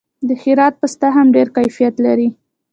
د هرات پسته هم ډیر کیفیت لري.